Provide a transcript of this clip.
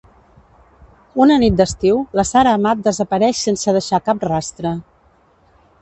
Una nit d'estiu la Sara Amat desapareix sense deixar cap rastre.